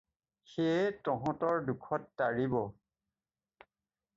সেয়ে তহঁতক দুখত তাৰিব।